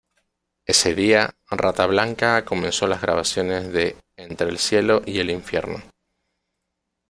Ese día, Rata Blanca comenzó las grabaciones de Entre el cielo y el infierno.